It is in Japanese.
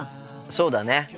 そうだね。